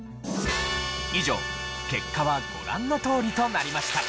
以上結果はご覧のとおりとなりました。